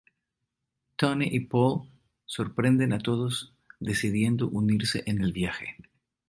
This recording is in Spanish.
Tony y Paul sorprenden a todos decidiendo unirse en el viaje.